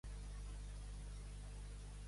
Quin poc món!